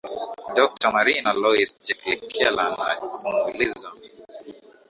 dokta marina loice jelekela na kumuuliza